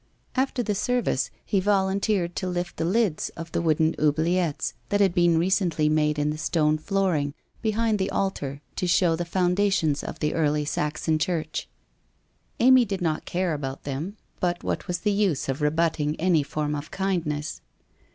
After the service he volunteered to lift the lids of the wooden oubliettes that had been recently made in the stone flooring behind the altar to show the foundations of the early Saxon church. Amy did not care about them, but what was the use of rebutting any form of kindness?